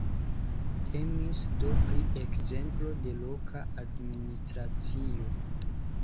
Temis do pri ekzemplo de loka administracio.